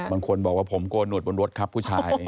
บางคนบอกว่าผมโกนหวดบนรถครับผู้ชาย